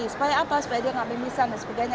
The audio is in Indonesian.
supaya apa supaya dia nggak mimisan dan sebagainya